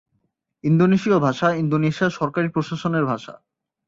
ইন্দোনেশীয় ভাষা ইন্দোনেশিয়ার সরকারি প্রশাসনের ভাষা।